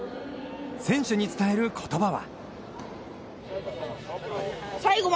選手に伝える言葉は。